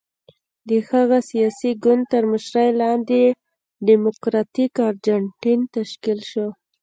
د هغه سیاسي ګوند تر مشرۍ لاندې ډیموکراتیک ارجنټاین تشکیل شو.